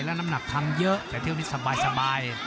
แล้วน้ำหนักทำเยอะแต่เที่ยวนี้สบาย